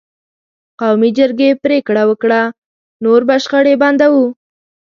قومي جرګې پرېکړه وکړه: نور به شخړې بندوو.